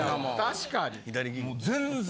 確かに。